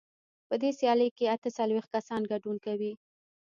په دې سیالۍ کې اته څلوېښت کسان ګډون کوي.